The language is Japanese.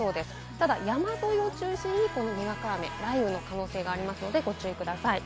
ただ山沿いを中心に、にわか雨、雷雨の可能性がありますので、ご注意ください。